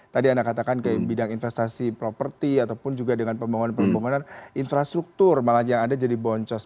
tadi anda katakan kayak bidang investasi properti ataupun juga dengan pembangunan pembangunan infrastruktur malah yang ada jadi boncos